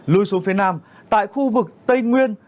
lưu xuống phía nam tại khu vực tây nguyên